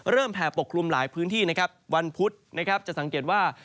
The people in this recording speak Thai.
เริ่มแผ่ปกลุ่มหลายพื้นที่วันพุธจะสังเกตว่า